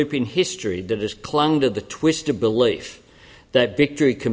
tidak lebih baik dari segala grup di sejarah yang telah menemukan kepercayaan